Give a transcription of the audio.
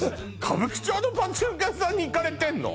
歌舞伎町のパチンコ屋さんに行かれてんの？